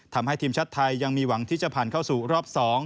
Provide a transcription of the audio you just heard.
ทำให้ทีมชาติไทยยังมีหวังที่จะผ่านเข้าสู่รอบ๒